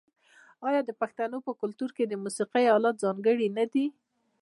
آیا د پښتنو په کلتور کې د موسیقۍ الات ځانګړي نه دي؟